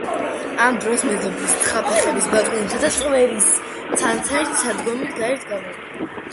ამ დროს მეზობლის თხა ფეხების ბაკუნითა და წვერის ცანცარით სადგომიდან გარეთ გამოვიდა.